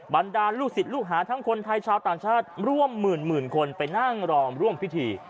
บรรดาลูกศิษย์ลูกหาทั้งคนไทยชาวต่างชาติร่วมหมื่นคนไปนั่งรอร่วมพิธี